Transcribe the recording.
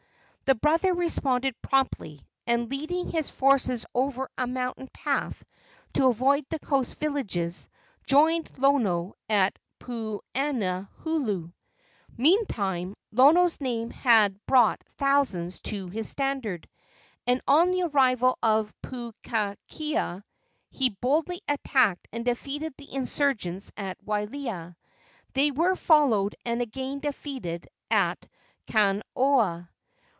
The brother responded promptly, and, leading his forces over a mountain path to avoid the coast villages, joined Lono at Puuanahulu. Meantime, Lono's name had brought thousands to his standard, and on the arrival of Pupuakea he boldly attacked and defeated the insurgents at Wailea. They were followed and again defeated at Kaunooa.